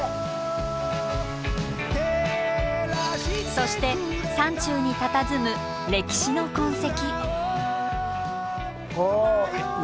そして山中にたたずむ歴史の痕跡。